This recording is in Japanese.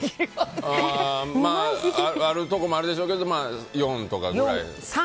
あるところもあるでしょうけど４とかぐらい。